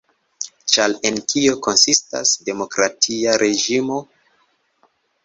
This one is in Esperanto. Ĉar en kio konsistas demokratia reĝimo?